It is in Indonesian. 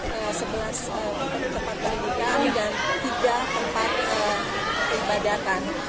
tempat pendidikan dan tiga tempat peribadatan